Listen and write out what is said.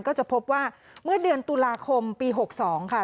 ก็จะพบว่าเมื่อเดือนตุลาคมปี๖๒ค่ะ